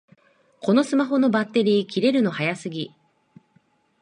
このスマホのバッテリー切れるの早すぎ